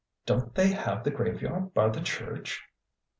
Don't they have the graveyard by the church